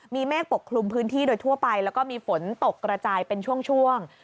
มีเมฆปกคลุมพื้นที่โดยทั่วไปแล้วก็มีฝนตกกระจายเป็นช่วง